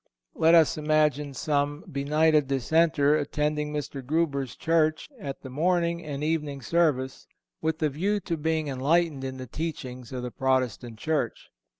Let us imagine some benighted dissenter attending Mr. Grueber's church at the morning and evening service, with the view to being enlightened in the teachings of the Protestant church.